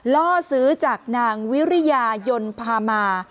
ล่อซื้อจากนางวิริยายนพามา